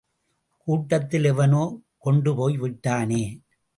கூட்டத்தில் எவனோ கொண்டு போய் விட்டானே!